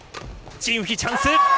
チン・ウヒ、チャンス。